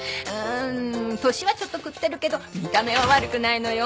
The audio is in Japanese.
年はちょっと食ってるけど見た目は悪くないのよ。